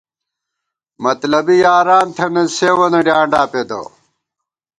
مطلَبی یاران تھنَئیت، سېوں وَنہ ڈیانڈا پیدہ